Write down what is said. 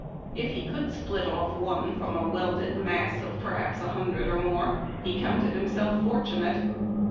If he could split off one from a welded mass of perhaps a hundred or more, he counted himself fortunate.